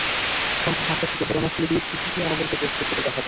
সন্ধ্যা সাতটার দিকে ঘটনাস্থলে গিয়ে ছিদ্র দিয়ে অনবরত গ্যাস বের হতে দেখা যায়।